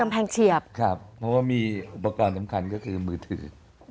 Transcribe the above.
เพราะว่ามีอุปกรณ์สำคัญก็คือมือถือ